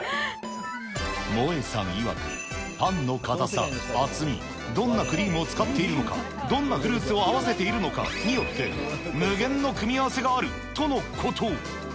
モエさんいわく、パンの堅さ、厚み、どんなクリームを使っているのか、どんなフルーツを合わせているのかによって、無限の組み合わせがあるとのこと。